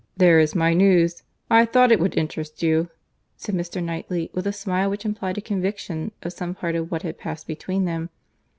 "There is my news:—I thought it would interest you," said Mr. Knightley, with a smile which implied a conviction of some part of what had passed between them.